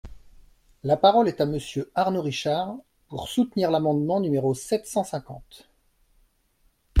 La parole est à Monsieur Arnaud Richard, pour soutenir l’amendement numéro sept cent cinquante.